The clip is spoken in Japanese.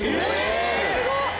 すごいね！